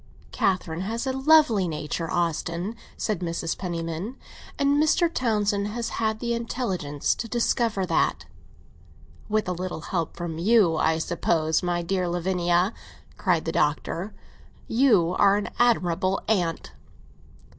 "Catherine has a lovely nature, Austin," said Mrs. Penniman, "and Mr. Townsend has had the intelligence to discover that." "With a little help from you, I suppose. My dear Lavinia," cried the Doctor, "you are an admirable aunt!"